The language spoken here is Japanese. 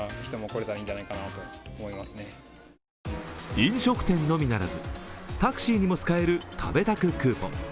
飲食店のみならず、タクシーにも使える食べタククーポン。